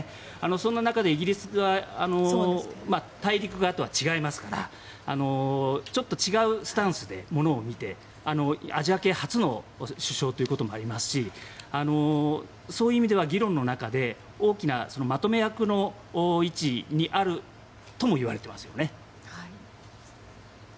そんな中でイギリスは大陸側とは違いますからちょっと違うスタンスで物を見てアジア系初の首相ということもありますしそういう意味では、議論の中で大きなまとめ役の位置にあるともいわれていますね。